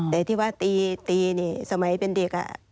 แต่ที่ว่าตีนี่สมัยเป็นเด็ก